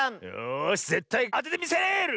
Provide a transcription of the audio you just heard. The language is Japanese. よしぜったいあててみせる！